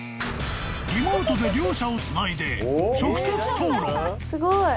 ［リモートで両者をつないで直接討論］